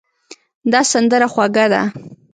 دا سندره خوږه ده.